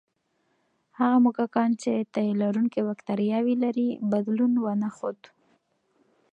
هغه موږکان چې د تیلرونکي بکتریاوې لري، بدلون ونه ښود.